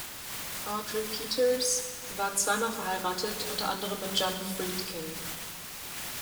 Audrey Peters war zweimal verheiratet, unter anderem mit John Friedkin.